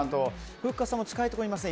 ふっかさんも近いところにいますね。